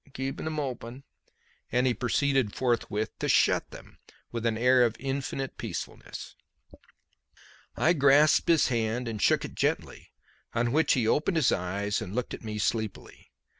Keep'm open," and he proceeded forthwith to shut them with an air of infinite peacefulness. I grasped his hand and shook it gently, on which he opened his eyes and looked at me sleepily.